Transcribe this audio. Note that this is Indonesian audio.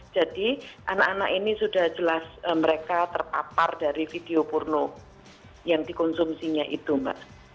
jadi anak anak ini sudah jelas mereka terpapar dari video porno yang dikonsumsinya itu mbak